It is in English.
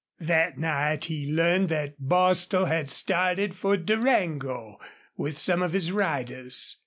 That night he learned that Bostil had started for Durango with some of his riders.